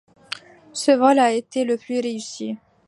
Ce vol a été le plus réussi.